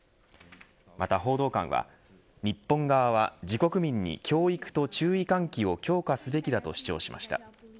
また報道官は日本側は自国民に教育と注意喚起を強化すべきだと主張しました。